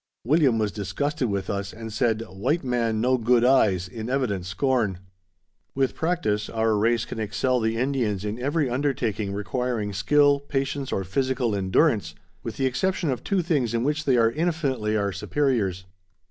William was disgusted with us, and said, "White man no good eyes," in evident scorn. With practice, our race can excel the Indians in every undertaking requiring skill, patience, or physical endurance, with the exception of two things in which they are infinitely our superiors.